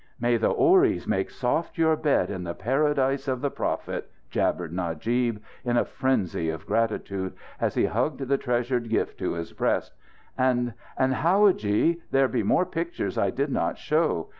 "May the houris make soft your bed in the Paradise of the Prophet!" jabbered Najib, in a frenzy of gratitude, as he hugged the treasured gift to his breast. "And and, howadji, there be more pictures I did not show.